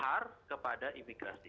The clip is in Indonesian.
har kepada imigrasi